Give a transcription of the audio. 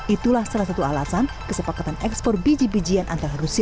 itulah salah satu alasan kesepakatan ekspor biji bijian antarharusia